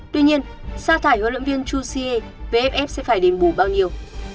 tuy nhiên sa thải huấn luyện viên chu xie vff sẽ phải đền bù bao nhiêu